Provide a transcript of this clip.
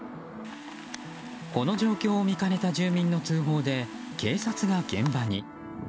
この状況を見かねた住人の通報で警察が現場に。